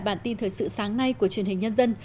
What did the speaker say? bản tin thời sự sáng nay của truyền hình nhân dân